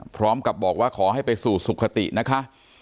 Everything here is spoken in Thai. พร้อมกับบอกว่าขอให้ไปสู่สุขตินะคะ